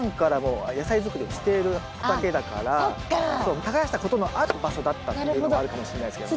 耕したことのある場所だったっていうのもあるかもしれないですけどね。